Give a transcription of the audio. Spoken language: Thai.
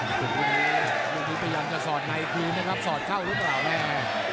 ตึกตัวนี้ตัวนี้ไปยังจะสอดในกรีมนะครับสอดเข้าหรือเปล่าแง่